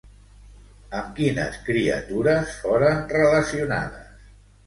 Amb quines criatures foren relacionades?